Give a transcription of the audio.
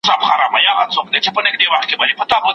دې یې وزلو او بې دفاع مهاجرینو